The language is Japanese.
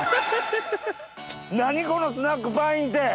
何このスナックパインって。